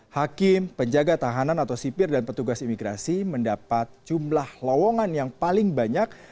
hakim penjaga tahanan atau sipir dan petugas imigrasi mendapat jumlah lowongan yang paling banyak